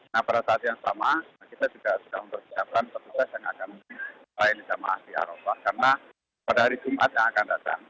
nah pada saat yang sama kita juga sudah mempersiapkan petisajah yang akan dihubungkan pada hari jumat yang akan datang